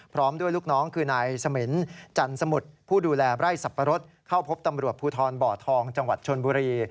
พร้อมด้วยลูกน้องคือนายสมินจันสมุทรผู้ดูแลไร่สับปะรดเข้าพบตำรวจภูทรบ่อทองจังหวัดชนบุรี